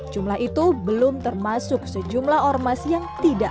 jumlah itu belum termasuk sejumlah ormas yang tidak